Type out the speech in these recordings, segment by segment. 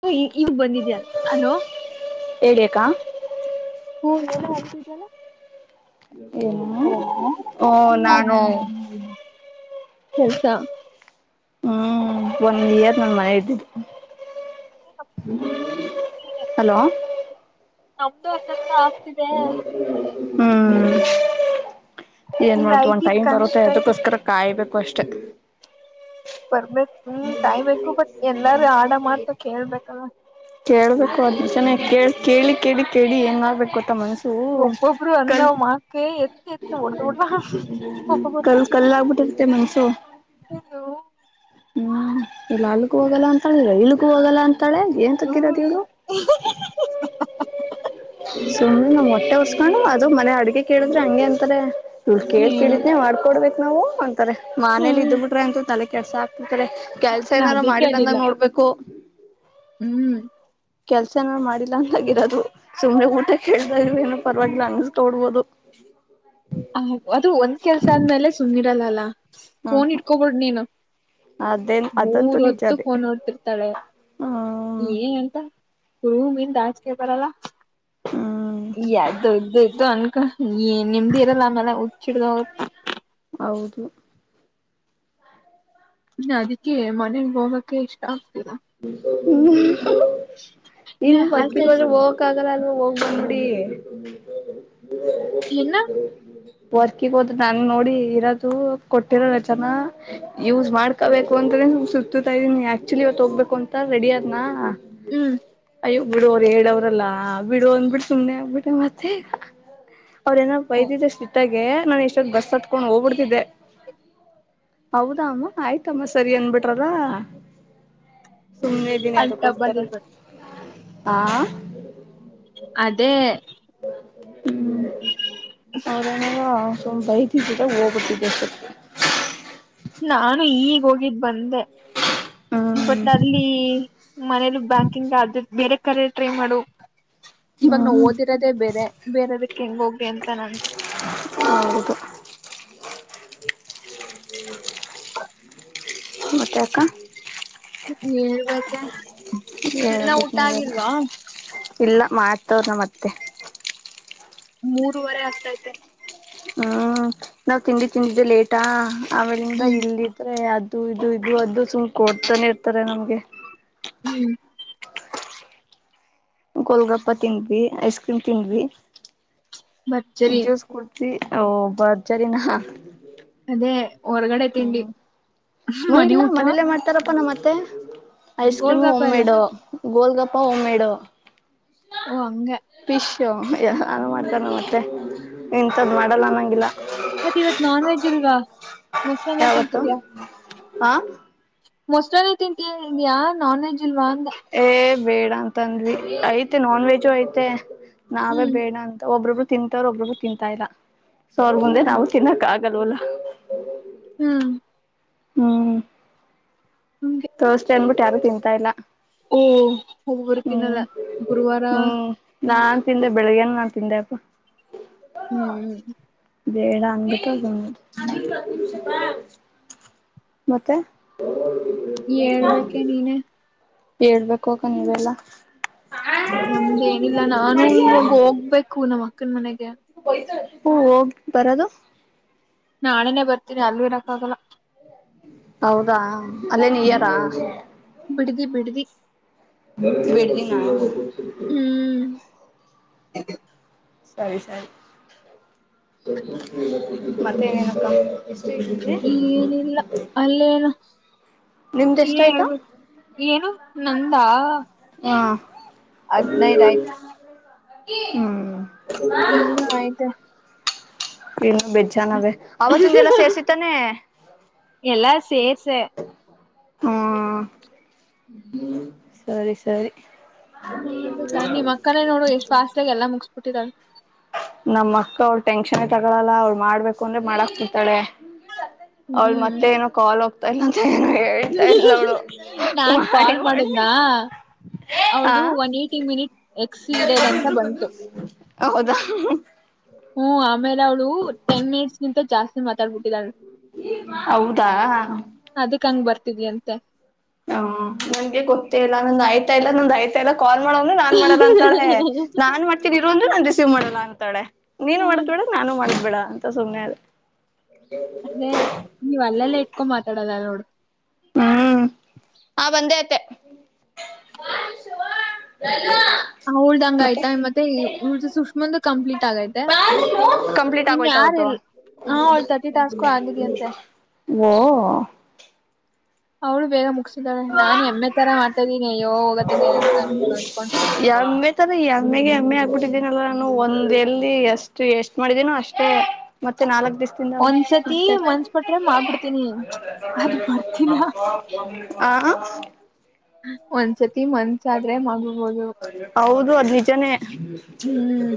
ಹ ಈಗ ಬಂದಿದ್ಯಲ್ಲ ಅಲೋ ಹೇಳಿ ಅಕ್ಕ ಹ ಆಗ್ತಿದ್ದಲ್ಲ ಏ ಓ ನಾನು ಕೆಲ್ಸ ಹ್ಮ್ ಒಂದ್ ಇಯರ್ ನನ್ ಮನೆ ಇದ್ದ ಹಲೋ ನಮ್ದು ಅತ್ತಂತ ಆಗ್ತಿದೆ ಹ್ಮ್ ಏನ್ ಈಗ ಮಾಡತ್ ಒಂದ್ ಐಟಿ ಟೈಮ್ ಬರುತ್ತೆ ಕನ್ಸ್ತಾ ಇದೆ ಅದಕ್ಕೋಸ್ಕರ ಕಾಯಬೇಕು ಕಷ್ಟ ಬರ್ಬೇಕು ಹ್ಮ್ ಕಾಯ್ಬೇಕು ಬಟ್ ಎಲ್ಲಾರು ಆಡ ಮಾತ್ರ ಕೇಳ್ಬೇಕಲ್ ಕೇಳ್ಬೇಕು ಅದ ಜನ ಕೇಳ ಕೇಳಿ ಕೇಳಿ ಕೇಳಿ ಏನ್ಬೇಕು ಕೊ ಮನಸು ಒಬ್ಬೊಬ್ರು ಅನ್ನೋ ಕಲ್ಲ್ ಮಾಕೆ ಎತ್ತಿ ಎತ್ತಿ ಹೊಡ್ದ್ ಬಿಡ್ಲ [inaudible] ಕಲ್ಲ ಆಾಗ್ಬಿಟ್ಟಿರ್ತ್ತೆ ಮನ್ಸು ಹಲೋ ಹ್ಮ ಎಲ್ಲ ಅಲ್ಕ್ಕ ಹೋಗಲ್ಲ ಅಂತ ಹೇಳಿದ್ರ ಇ ಕ್ಕ ಹೋಗಲ್ಲ ಅಂತಾಳೆ ಏನ್ ತಕ್ಕಿರೋ ದೀವಳೊ ಸು ಮೊಟ್ಟೆ ಹೊ ಹು ಅದು ಮನೆ ಅಡ್ಗೆ ಕೇಳಿದ್ರೆ ಹಂಗೆ ಅಂತಾರೆ ಕೇಳ್ ಹ್ಮ್ ಕಡಿದ್ನನೆ ಮಾಡ್ಕೊಡ್ಬೇಕು ನಾವು ಅ ತಾರೆ ಮನೇಲಿ ಹ್ಮ್ ಇದ್ ಬಿಟ್ರೆ ಅಂತು ತಲೆ ಕೆಲ್ಸ ಆಗ್ತತಾರೆ ಕೆಲ್ಸ ನಾ ಏನಾರು ಅದಕ್ಕೆ ಮಾಡಿಲ್ಲ ಅಲ್ಲಿಲ್ಲ ಅಂದಾಗ ನೋಡ್ಬೇಕು ಹ್ಮ್ ಕೆಲ್ಸನ ಮಾಡಿಲ್ಲ ಅಂದಾಗಿರೋದು ಸುಮ್ನೆ ಊಟ ಕೇಳ್ದಾಗ ಏನು ಪರವಾಗಿಲ್ಲ ಅನ್ಸ್ಕೊಡ್ಬೋದು ಹ [inaudible] ಹ ಅದು ಒಂದ್ ಕೆಲ್ಸ ಆದ್ಮೇಲೆ ಸುಮ್ಿರಲ್ಲಲ್ಲ ಹ್ಮ್ ಫೋನ್ ಹ್ಮ್ ಇಟ್ಕೊಬಿಡ್ ನೀನು ಅದೇನ್ ಮೂರ ಅದಂತೂ ಹೊತ್ತು ನಿಜಾನೇ ಫೋನ್ ನೋಡ್ತಿರ್ತಾಳೆ ಹ್ಮ್ ಏ ಅಂತ ಗುರುಹ ಮೀಂದಾಜಕ ಬರಲ್ಲ ಹ್ಮ್ ್ತು ಇದ್ದು ಇಯ್ತು ಅನ್ಕೊಂಡ ನಿಮ್ದು ಇರಲ್ಲ ಆಮೇಲೆ ಹುಚ್ಚಿಡ್ದ ಹೋಗ ಹೌದು ಇ ಅದಕ್ಕೆ ಮನೆಗ್ ಹೋಗಕ ಇಷ್ಟ ಆಗ್ತರ ಹ್ಮ ಇಲ್ಲಿ ಇನ್ನು ಹಾಲ್ ಕಾಯಿ ಮರ್ಕಿದ್ರೆ ಹೋಗಕ್ ಆಗಲ್ಲ ಅಲ್ ಹೋಗ್ಬಟ ಏನ [unintelligible] ವರ್ಕಿಗ್ ಹೋದ ನಾ ನೋಡಿ ಇರೋದು ಕೊಟ್ಟಿರಲ್ಲ ಚನ ಯೂಸ್ ಮಾಡ್ಕೋಬೇಕು ಅಂತ ಸುತ್ತತಾ ಇದೀನಿ ಆಕ್ಚುಲಿ ಇವತ್ತು ಹೋಗ್ಬೇಕು ಅಂತ ರೆಡಿ ಅದ್ನಾ ಹ್ಮ್ ಅಯ್ಯೋ ಬಿಡೋರ್ ಹೇಳವ್ರಲ್ಲಾ ಬಿಡುವ ಅಂದ್ಬಿಟ್ಟ ಸುಮ್ನೆ ಆಗ್ಬಿಟ್ರ ಮತ್ತೆ ಅವ್ರ ಏನ ಬೈತಿದ್ದ ಸಿಟ್ಟಾಗೆ ನಾನನ್ ಎಷ್ಟೊತ್ ಬಸ್ ಹತ್ಕೊಂಡ್ ಹೋಗ್ಬಿಡ್ತಿದ್ದೆ ಹೌದಮ್ಮ ಆಯ್ತಮ್ಮ ಸರಿ ಅನ್ಬಿಟ್ರದ ಸುಮ್ಮ್ನೆ ದಿನಿ ಅಲ್ಲಿ ಅದಕ್ಕೋಸ್ಕರ ಟಬ್ಬಲ್ಲಿ ಇರ್ಬೇಕು ಆ ಅದೇ [inaudible] ಸು್ ಬೈತಿದ್ದರ ಹೋಗ್ಬಿಟ್ಟಿದ್ದಷ್ಟತ್ ನಾನು ಈಗ ಹೋಗಿದ್ದ ಬಂದೆ ಹ್ಮ್ ಬಟ್ ಅಲ್ಲಿ ಮನೇಲಿ ಬ್ಯಾಂಕಿಂಗ್ ಆದ ಬೇರೆ ಕರೆ ಟ್ರೈ ಮಾಡು ಇವಾಗ ನಾ ಹ್ಮ್ ಓದಿರೋದೇ ಬೇರೆ ಬೇರೆದಕ್ಕೆ ಹೆಂಗ ಹೋಗ್ಿ ಅಂತ ನನ್ ಹೌದು ಹ ಮತ್ಯ ಅಕಾ ಹ ಬತ್ತ ಹೇಳ್ಬೇಕು ನೀವೆಲ್ಲ ಇಲ್ಲ ಮಾತವ್ರನ ಮತ್ತೆ ಮೂರವರೆ ಆಗ್ತೈತೆೇನೆ ಹ್ಮ್ ನಾವ್ ತಿಂಡಿ ತಿಂಡಿದ್ದೆ ಲೇಟಾ ಆಳಿಂದ ಹ್ಮ್ ಇಲ್ಲಿದ್ರೆ ಅದ ಇದು ಇದು ಅದು ಸುಮ್ ಕೊಡ್ತಾನೆ ಇರ್ತಾರೆ ನಮ್ಗೆ ಹ್ಮ್ ಕೊೋಲ್ಗಪ್ಪ ತಿಿಂದ್ವಿ ಐಸ್ ಕ್ರೀಮ್ ತಿಂದ್ವಿ ಭರ್ಜರ್ ಜ್ಯೂಸ್ ಕುಡ್ವಿ ಓ ಬರ್ಜರಿಿನ ಅದೇ ಹೊರ್ಗಡೆ ತಿಂಡಿ ಹ್ಮ್ ಮ ಮನೆ ಇಲ್ಲಾ ಊಟ ಮನೇಲ್ಲೇ ಮಾಡ್ತಾರಪ್ಪ ನಮ್ಮತ್ತ ಮತ್ತೆ ಐಸ್ ಕ್ರೀಮು ಗೋಲ್ಗಾಪ ಎಲ್ಲ ಉಮ್ಮೆಡು ಗೋಲ್ಗಪ ಉಮ್ಮೆಡು ಓ ಅಂಗ ಯ್ಯ ಅದು ಮಾಡ್ತಣ ಮತ್ತೆ ಇಂಥದ್ದು ಮಾಡಲ್ಲ ಅನ್ನೊಂಗಿಲ್ಲ ಮತ್ತತ್ ಇವತ್ ನಾನ್ ವೆಜ್ ಇಲ್ವಾ ಮೊಸರನ್ನ ಯಾವತ್ತು ತಿರ್ತಿದ್ಯಾ ಹಾ ಮೊಸರಾನೆ ತಿಂತಟಿಯಯಾ ನಾನ್ವೆೆಜ್ ಇಲ್ವಾ ಅಂದ ಏ ಬೇಡ ಅಂತ ಅಂದ್ವಿ ಐತೆ ನಾನ್ ವೆಜು ಐತೆ ನಾವೇ ಹ್ಮ್ ಬೇಡ ಅಂತ ಒಬ್ಬೊಬ್ ತಿಂತಾರ ಒಬ್ರಗ ತಿಂತಾ ಇಲ್ಲ ಸೊ ಅವ್ರ ಮುಂದೆ ಹ್ಮ್ ನಾವವು ತಿನ್ನಕ್ ಆಗಲ್ವಲ್ಲ ಹ್ಮ ಹ್ಮ್ ಹಂಗೆ ಥರ್ಸ್ಡೇ ಅನ್ಬಿಟ್ಟು ಯಾರು ತಿಂತಾ ಇಲ್ಲ. ಓ ಒಬ್ಬೊಬ್ರು ತಿನ್ನಲ್ಲ ಹ್ಮ್ ಗುರುವಾರ ಹ್ಮ್ ನಾನ್ ತಿಂದ ಬೆಳಿಗ್ಗೆನ್ ನಾನ್ ತಿಂದೆ ಅಪ್ಪ. ಹ್ಮ್ ಹ್ಮ್ ಬೇಡ ಅನ್ಬಿಟ್ಟದ ಮತ್ತೆ. ಹೇಳ್ಬೇಕೆ ನೀನೇ. ಹೇಳ್ಬೇಕು ಅಕ್ಕ ನೀವೆಲ್ಲಾ. ನಮ್ದ ಏನಿಲ್ಲ ನಾನು ಇವಾಗ ಹೋಗ್ಬೇಕು ನಮ್ಮ ಅಕ್ಕನ ಮನೆಗ್ ಹ ಹೋಗ ಬರದು. ನಾಳೆನೆ ಬರ್ತೀನಿ ಅಲ್ಲಿ ಇರಕ ಆಗಲ್ಲ. ಹೌದಾ ಅಲ್ಲೇ ನಿಯರ. ಬಿಡ್ದಿ ಬಿಡ್ದಿ. ಬಿಡದಿ ನ.... ಹೌ [unintelligible] ಸರಿ ಸರಿ ಮತ್ತೇನೇನಕ್ಕ. ನಲ್ಲ ಅಲ್ಲೇನು. ನಿಮ್ದ ನೀನೇ ಎಷ್ಟಾಯ್ತು ಹೇಳ್ಬೇಕು ಏನು ನಂದಾ. ಹ್ಮ ಹದ್ನೈದ್ ಆಯ್ತು ಹ್ಮ್. ಇನ್ನುೂ ಐತೆ. ಇನ್ನು ಬೇಜ್ಜನವೇ ಅವತ್ತಂದೆಲ್ಲ ಸೇರ್ಸಿತಾನೆ. ಸೇರ್ಸ. ಹಾ ಸರಿ ಸರಿ. ಮಾಡ್ಬೇಕಲ್ಲ ನೀವ್ ಅಕ್ಕನೇ ನೋಡು ಎಷ್ಟು ಆಾಸ್ತಿಯಾಗ ಎಲ್ಲಾ ಮುಗಸ್ಬಿಟ್ಟಿಧಾರೆ. ನಮ್ಮ್ ಅಕ್ಕ ಅವಳ ಟೆನ್ಶನ್ನೇ ತಗೊಳಲ್ಲ ಅವ್ಳ್ ಮಾಡ್ಬೇಕು ಅಂದ್ರೆ ಮಾಡಕ್ತಿರ್ತಾಳೆ. ಅವ್ರ ಹ್ಮ್ ಮತ್ತೆ ಏನೋ ಕಾಲ್ ಹೋಗ್ತಾಲ್ಲ ನಾನ್ ಮಾಡಿ ಕಾಲ್ ಮಾಡಿ ಮಾಡುದ್ನಾ. ಹ ಅವಳದು ಒನ್ ಏಟಿ ಮಿನಿಟ್ ಎಕ್ಸ್ ಇಡೇರ್ ಅಂತ ಬಂತು. ಹೌದಾ ಹ್ಮ್ ಆಮೇಲೆ ಅವಳು ಟೆನ್ ಮಿನಿಟ್ಸ್ಗಿಂತ ಜಾಸ್ತಿ.... ಟ್ಟ ಹೌದಾ ಅದಕ್ ಹಂಗ ಬರ್ತಿದ ಅಂತೆ. ಹ್ಮ ನಂಗೆ ಗೊತ್ತೇ ಇಲ್ಲ ನಂದ್ ಆಯ್ತಾ ಇಲ್ಲ ನಂದ್ ಆಯ್ತಾ ಎಲ್ಲ. ಕಾಲ್ ಮಾಡಂದ್ರರು ನಾನ್ ಮಾಡಲ್ಲ ಅಂತಾಳೆ. ನಾನ್ ಮಾಡ್ತಿನೀ ಇರೂ ಅಂದ್ರು ನಾನ್ ರಿಸೀವ್ ಮಾಡಲ್ಲ ಅಂತಾಳೆ. ನೀನು ಮಾಡದ್ಬೇಡ ನಾನು ಮಾಡದ್ಬೇಡ ಅಂತ ಸುಮ್ನೆ ಆದೆ. ಎ ಅದೇ ನೀವ್ ಅಲ್ಲೆಲ್ಲ ಇಟ್ಕೊಂಡ್ ಮಾತಾಡಲ್ಲ [unintelligible] ನೋಡು ಹ್ಮ್ ಆ ಬಂದೇ ಅತ್ತೆ. ಅವಳದಂಗಾಯ್ತಾ ಮತ್ತೆ ಇವಳಿದು ಸುಷ್ಮಂದ ಕಂಪ್ಲೀಟ್ ಆಗೈತೆ. ಕಂಪ್ಲೀಟ್ ಇನ್ ಆಗೋಯ್ತ ಯಾರ ಅವರದು. ಹಾ ಅವಳು ತರ್ಟಿ ಟಾಸ್ಕು ಆಗಿದೆಯಂತೆ ಓ ಅವ್ಳು ಬೇಗ ಮುಗಿಸಿದಾಳೆ ನಾನ್ ಹೆಮ್ಮೆ ತರ ಮಾಡ್ತಾ ಇದೀನಿ ಯ ಹೋಗತದೆ ಅಂತ ಅನ್ಕೊಂಡ್ ಅಂದಕೊಂಡ್. ಎಮ್ಮೆ ತರ ಎಮ್ಮೆಗೆ ಎಮ್ಮೆ. ಹುಟತ್ತಿನಲ್ಲ ನಾನು ಒಂದ್ ಎಲ್ಲಿ ಎಷ್ಟು ಎಷ್ಟ್ ಮಾಡಿದ್ದೀನೋ ಅಷ್ಟೇ ಮತ್ತೆ ನಾಲ್ಕು. ದಿವ್ಸದಿಂದ ನಾವು ಒಂದ್ಸತಿ ಮಾಡತ ಮನ್ಸ್ ಪಟ್ರೆ ಮಾಡ್ಬಿಡ್ತೀನಿ ಅದು ಬರ್ತಿಲ್ಲ [unintelligible] ಹ. ಒಂದ್ಸತಿ. ಮನ್ಸಾದ್ರೆ ಮಾಡ್ಬಿಡ್ಬೋದು ಹೌದು ಅದ್ ನಿಜಾನೇ. ಹ್ಮ್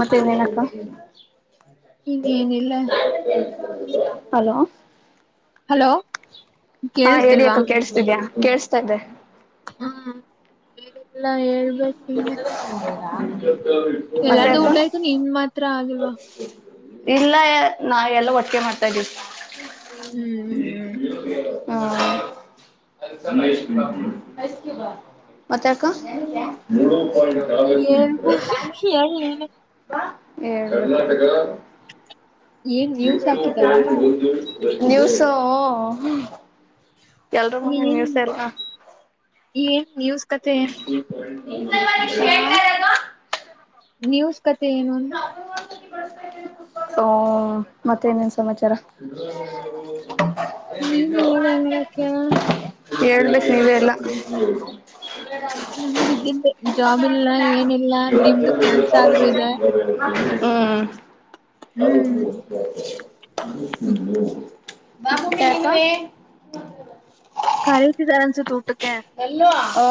ಮತ್ತೆನೇನಕ್ಕ. ಇನ ಏನ ಇಲ್ಲ. ಹಲೋ. ಹಲೋ. ಹಾ ಹೇಳಿ ಕೇಳಿಸ್ತಿಲ್ವಾ ಅಕ್ಕ ಕೇಳ್ಸ್ತಿದ್ಯಾ ಕೇಸ್ತಾ ಇದ್ದೆ. ಹ್ಮಲ್ಲ ಹೇಳ್ಬೇಕು ನೀ. ಮತ್ತೆ ಅಕ್ಕ. ನಿನ್ ಮಾತ್ರ ಆಗಿಲ್ವಾ ಇಲ್ಲ ನಾವ ಎಲ್ಲ ಒಟ್ಟಿಗೆೆ ಮಾಡ್ತಾ ಇದೀವಿ. ಈ ಹ್ಮ್ ನೀ [inaudible] ಹಾ [unintelligible] ಮತ್ತಾಕ್ಕ. ಹ್ಮ್ [unintelligible] ಹ್ಮ್ ಹೇಳ್ಬೇಕು ಹೇಳ್ ನೀನೆ ಕರ್ನಾಟಕ ಏನ್ ನ್ಯೂಸ್ ಹಾಕಿದಾರಾ [unintelligible] ನಿವ್ಸ್ ತೋ ಎಲ್ರೂ ಏನ್ ಮನೆಲು ನ್ಯೂಸ್ ಎಲ್ಲ. ಏನ್ ನ್ಯೂಸ್ ಕತೆ [unintelligible] ನ್ಯೂಸ್ ಕತೆ ಏನ ಒಂದು. ಹ ಮತ್ತೇನೇನ್ ಸಮಾಚಾರ. ನೀನುಲ್ಲ ಎಂಗಡಕ್ಕಿಯ [unintelligible] ಹೇಳ್ಬೇಕು ನೀವೆಲ್ಲ. [inaudible] ನಮ್ದ ಇದ ಜಾಬ್ ಇಲ್ಲ ಏನಿಲ್ಲ ನಿಮ್ದು ಕೆಲ್ಸ ಆದ್ರೂ ಇದೆ. ಹ್ಮ್. ಹ್ಮ್ ಮತ್ತೆ ಅಕ್ಕ. ಕರೀತಿಧಾರೆ ಅನ್ಸುತ್ತೆ ಹುಟಕೆ. ಅಲ್ಲ ಹ. [unintelligible]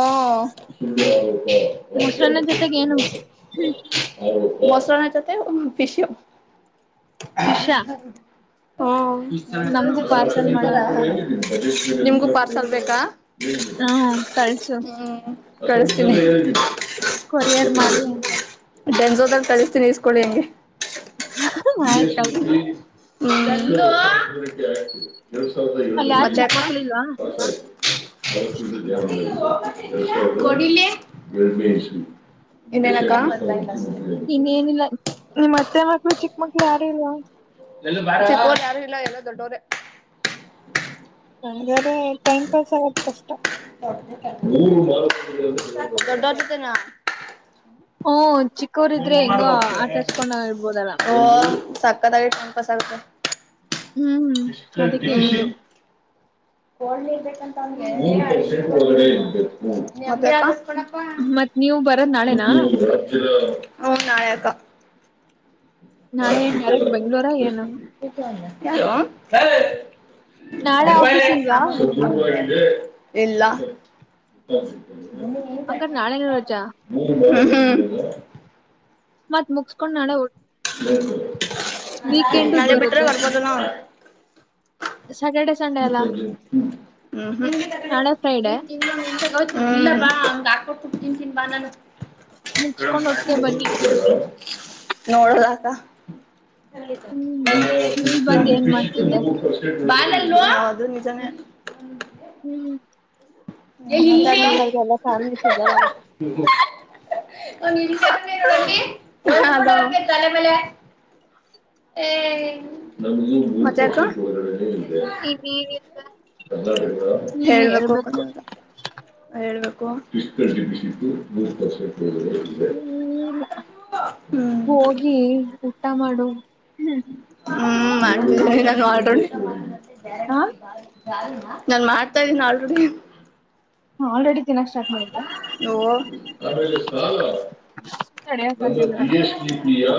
ಮೊಸರನ್ನ ಜೊತೆಗೆ ಏನು [unintelligible] ಮೊಸರು ಅನ್ನ ಜೊತೆ ಫಿಶ್ ಹ. ಫಿಶಾ ನಮ್ಗೂ ಪಾರ್ಸಲ್ ಮಾಡುವಂತೆ ನಿಮ್ಗೂ ಪಾರ್ಸಲ್ ಬೇಕಾ. ಹ್ಮ ಕಳಿಸು. ಕಳಸ್ತೀನಿ. ಕೊರಿಯರ್ ಮಾಡಿ. ಡುಂಝೋದಲ್ ಕಳಿಸ್ತೀನಿ ಇಸ್ಕೊಳ್ಳಿ ಹೆಂಗೆ. ಆಯ್ತ್ ಕಳ್ಸು ಹ್ಮ್ಮ್ ದತು ಅಲ್ಲಿ ಯಾರ್ ಮತ್ತೆ ಚಿಕ್ಕ ಅಕ್ಕ. ಮಕ್ಳ ಇಲ್ವಾ ಕೊಡಿಳಿ [inaudible] ಇನ್ನೇನಕ್ಕಾ. ಇನ್ ಏನೂಇಲ್ಲ ನಿಮ್ಮತ್ತೆ ಮಕ್ಳೂ ಚಿಕ್ಕ ಮಕ್ಳೂ ಯಾರು ಇಲ್ವಾ. ಚಿಕೋರು ಯಾರು ಇಲ್ಲ ಎಲ್ಲೋ ದೊಡ್ಡವ್ರೇ. ಒ್ರ ಟೈಮ್ ಪಾಸ್ ಆಗದ ಕಷ್ಟ. [inaudible] ಧಿದ್ದೋನನ್ ಹ್ಮ ಚಿಕ್ಕವರಿದ್ರೆ ಹೆಂಗೋ ಆಟಾಡ್ಸ್ಕೊಂಡ ಇರ್ಬೋದಲ್ಲ ಸಾಕಾತ್ ಗೈತೆ. [inaudible] [inaudible] ಹ್ಮ್ ಅದಕ್ಕೆ ಹೇಳಿದ್ದು ಮತ್ ನೀವ್ ಬರದ್ ನಾಳೆನಾ ಹೂ ನಾಳೆ ಅಕ್ಕ. ನಾಳೆ ಏನ್ ಡೈರೆಕ್ಟ್ ಬೆಂಗ್ಳೂರ ಏನು ಲೋ ನಾಳೆ ಆಫೀಸ್ ಇಲ್ವಾ [unintelligible] ಇಲ್ಲ [unintelligible] ಹಂಗಾರ ನಾಳೆನ ರಜಾ ಮತ್ ಮುಗಸ್ಕೊಂಡ್ ನಡ ನಾಳೆ ಬಿಟ್ಟ್ರ ಬರುತ್ತೆ ಬರ್ಬೋದಲ್ಲ ಸ್ಯಾಟರ್ಡೆ ಸಂಡೆ ಅಲ್ಲ ಹ್ಮ್ಮ ನಾಳೆ ಫ್ರೈಡೆ ಗಕ ಕುೂಡ್ನ್ ಕನ್ಬಾನ ಮುಗಸ್ಕೊಂಡ್ ಒಟ್ಟಿಗೆ ಬನ್ನಿ ನೋಡಲಾಕ ಹ್ಮ್ ನೀ ಬಂದ್ ಏನ್ ಮಾಡ್ತಿದ್ದೆ ಹ ಅೌದು ನಿಜನೇ ಹ್ಮ್ ಹೇ ಇಲ್ಲೆ ಅಟ್ಲೀಸ್ಟ್ ನನ್ಗೆಲ್ಲ ಫ್ಯಾಮಿಲಿ ಸಿಗರಲ್ಲ ಮತ್ತೆ ಅಕ್ಕ ನಾ ಇಲ್ಲೆ ತಲೇ ಮೇಲೆ ಮತ್ತೆ ಅಕ್ಕ ನೀನಲ್ವಾ ಹೇಳ್ಬೇಕು ನೀವು ಹೇಳ್ಬೇಕು ರ್ ಟ ಸಿು ಮುಕ್ತ ಏನಿಲ್ಲ ಹ್ಮ್ ಹೋಗಿ ಊಟ ಮಾಡು ಹೂ ಹೂ ನ ಮಾಡ ಹಾ ನಾನ್ ಮಾಡ್ತಾ ಇದ್ದೀನ ಆಲ್ರೆಡಿ ಹ ಆಲ್ರೆಡಿ ತಿನ್ನಕ್ ಸ್ಟಾರ್ಟ್ ಮಾಡಿದ್ದೆ ಓ ಹ ನಮ್ಮ ಜ ಎಸ್ ಪ ಯ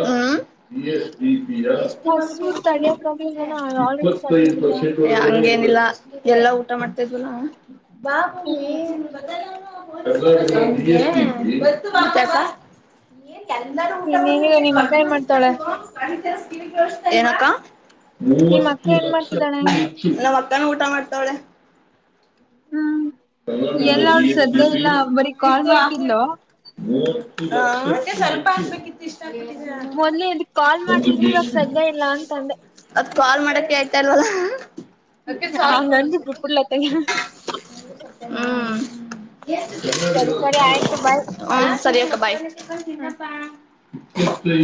ಎಸ್ ಪ ಹೂ ಹಸು ತಡಿಯಕ್ ಆಗಿಲ್ವೇನೋ ಆಲ್ರೆಡಿ ಸ್ಟಾರ್ಟ್ ಮಾಡಿದ್ಯಾ ಹೇ ಹಂಗೆ ಏನಿಲ್ಲ ಎಲ್ಲಾ ಊಟ ಮಾಡ್ತಾ ಇದ್ರು ನ ಹ್ಮ ಊಟ ಅಕ್ಕ ಎಲ್ಲರೂ ಇನ್ೇನಿಲ್ಲ ನಿಮ್ಮಕ್ಕ ಏನ್ ಮಾಡ್ತಾಳೆ ಏನ ಅಕ್ಕ ನಾಮ್ ನಿಮ್ ಏನ್ ಅಕ್ಕ ಮಾಡ್ತಿದ್ದಾಳೆ ಚಿಕನ್ ಊಟ ಮಾಡ್ತಾಾವಳೆ ಹೂ ಹ ಹ ಬರೀ ಕಾಲ್ ಮಾಡ್ತಿದ್ಲು ಮತ್ತೆ ಸ್ವಲ್ಪ ಅನ್ಬೇಕಿತ್ತು ಇಷ್ಟ ಮೊದ್ಲು ಇದ್ ಕಾಲ್ ಮಾಡ್ತಿದ್ಲು ಇವಾಗ ಸದ್ಯ ಇಲ್ಲ ಅಂತಂದೆ ಅದ ಕಾಲ್ ಮಾಡಕ ಆ ಸಲ್ ಹಂಗಂದ್ಬಿಟ್ ಬಿಟ್ಬಿಡ್ಲ ಅತ್ತಗೆ ಹೂ ಸರಿ ಸರಿ ಆಯ್ತು ಬಾಯ್ ಹ ಸರಿ ಅಕ್ಕ ಬಾಯ್ ಹ್ಮ. ತಿಪ್ಪ ಹೂ